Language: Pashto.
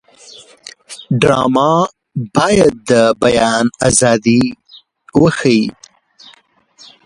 ډرامه باید د بیان ازادي وښيي